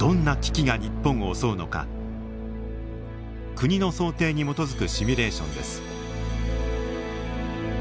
国の想定に基づくシミュレーションです。